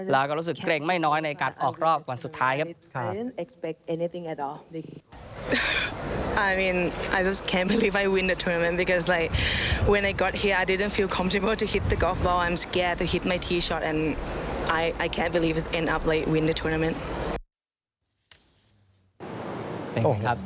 แล้วก็รู้สึกเกรงไม่น้อยในการออกรอบวันสุดท้ายครับ